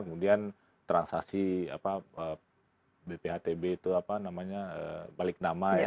kemudian transaksi bphtb itu apa namanya balik nama ya